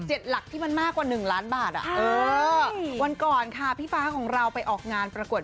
หลักที่มันมากกว่าหนึ่งล้านบาทอ่ะเออวันก่อนค่ะพี่ฟ้าของเราไปออกงานประกวด